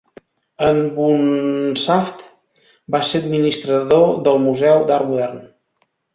En Bunshaft va ser administrador del Museu d'Art Modern.